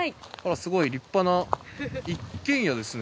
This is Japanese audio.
すごい立派な一軒家ですね。